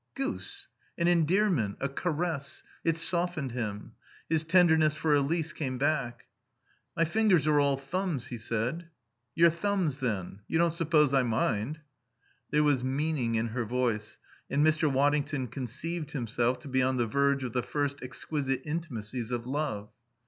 Goose! An endearment, a caress. It softened him. His tenderness for Elise came back. "My fingers are all thumbs," he said. "Your thumbs, then. You don't suppose I mind?" There was meaning in her voice, and Mr. Waddington conceived himself to be on the verge of the first exquisite intimacies of love.